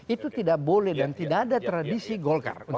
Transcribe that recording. itu tidak boleh dan tidak ada tradisi golkar